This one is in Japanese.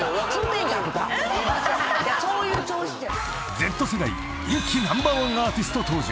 ［Ｚ世代人気ナンバーワンアーティスト登場］